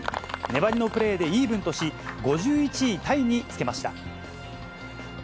粘りのプレーでイーブンとし、５１位タイにつけました。